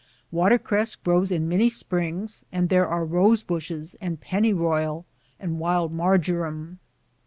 Watercress grows in many springs, and there are rosebushes, and pennyroyal, and wild marjoram.